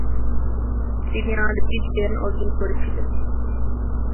তিনি আরবির জ্ঞান অর্জন করেছিলেন।